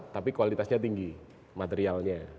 tapi kualitasnya tinggi materialnya